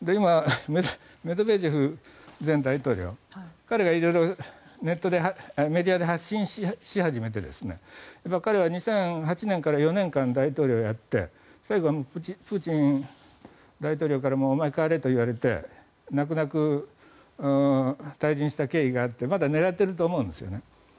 メドベージェフ前大統領が彼が色々メディアで発信し始めて彼は２００８年から４年間大統領をやって最後はプーチン大統領からお前代われと言われて泣く泣く退陣した経緯があってまだ狙っていると思うんです。